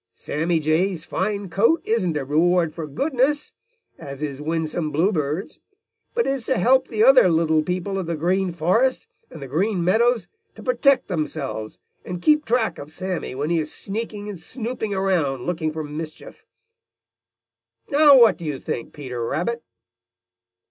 Sammy Jay's fine coat isn't a reward for goodness, as is Winsome Bluebird's, but is to help the other little people of the Green Forest and the Green Meadows to protect themselves, and keep track of Sammy when he is sneaking and snooping around looking for mischief. Now what do you think, Peter Rabbit?"